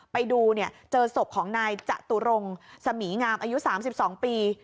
ไปเจอศพของนายจตุรงสมีงามอายุ๓๒ปี